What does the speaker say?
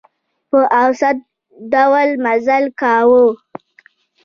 په اوسط ډول مزل کاوه.